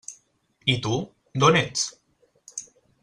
I tu, d'on ets?